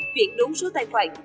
ba chuyển đúng số tài khoản